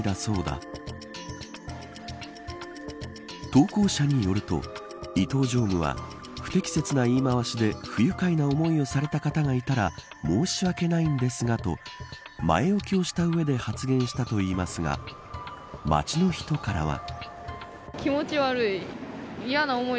投稿者によると、伊東常務は不適切な言い回しで、不愉快な思いをされた方がいたら申し訳ないんですがと前置きをした上で発言したといいますが街の人からは。